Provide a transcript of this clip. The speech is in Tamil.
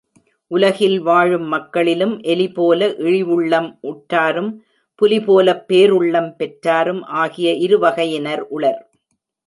உலகில் வாழும் மக்களிலும் எலிபோல இழிவுள்ளம் உற்றாரும், புலிபோலப் பேருள்ளம் பெற்றாரும், ஆகிய இருவகையினர் உளர்.